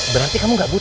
berarti kamu gak buta